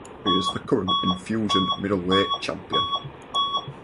He is the current Enfusion Middleweight Champion.